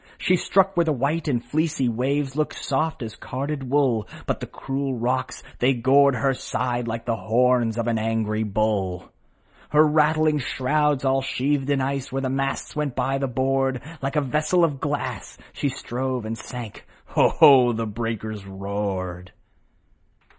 She struck where the white and fleecy waves Looked soft as carded wool, But the cruel rocks, they gored her side Like the horns of an angry bull. Her rattling shrouds, all sheathed in ice, With the masts went by the board ; Like a vessel of glass, she stove and sank, Ho ! Ho ! the breakers roared